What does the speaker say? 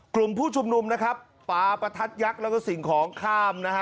กลุ่มผู้ชุมนุมนะครับปลาประทัดยักษ์แล้วก็สิ่งของข้ามนะฮะ